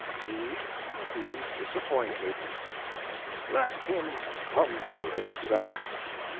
He will be disappointed. Let him humble himself.